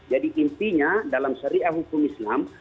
jadi intinya dalam seri ahukum islam